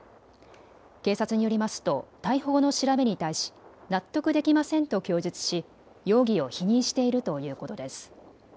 警察によりますと逮捕後の調べに対し納得できませんと供述し容疑を否認しているということです。